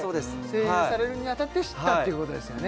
声優されるに当たって知ったっていうことですよね